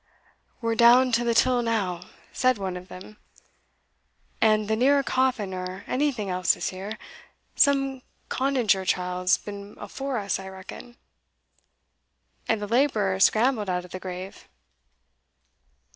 "We're down to the till now," said one of them, "and the neer a coffin or onything else is here some cunninger chiel's been afore us, I reckon;" and the labourer scrambled out of the grave.